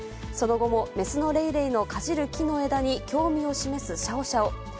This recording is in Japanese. その後も雌のレイレイのかじる木の枝に興味を示すシャオシャオ。